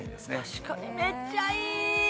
確かにねめっちゃいい！